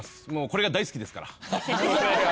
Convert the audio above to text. これが大好きですから。